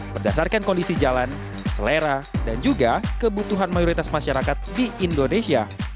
berdasarkan kondisi jalan selera dan juga kebutuhan mayoritas masyarakat di indonesia